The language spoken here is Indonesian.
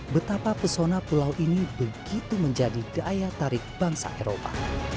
betapa pesona pulau ini begitu menjadi daya tarik bangsa eropa